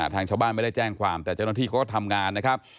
ทางชาวบ้านไม่ได้แจ้งความแต่เจ้าหน้าที่เขาก็ทำงานนะครับ